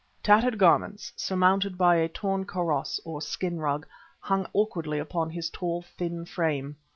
Tattered garments, surmounted by a torn kaross or skin rug, hung awkwardly upon his tall, thin frame.